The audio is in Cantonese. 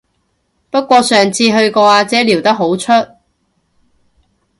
不過上次去個阿姐撩得好出